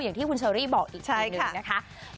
อย่างที่คุณเชอรี่บอกอีกทีหนึ่งนะคะ